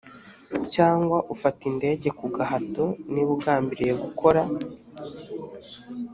cyangwa ufata indege ku gahato niba agambiriye gukora